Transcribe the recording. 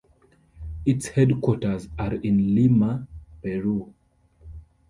Its headquarters are in Lima, Peru.